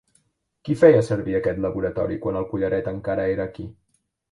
Qui feia servir aquest laboratori quan el collaret encara era aquí?